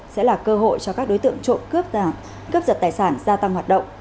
sẽ là cơ hội cho các đối tượng trộm cướp giật tài sản gia tăng hoạt động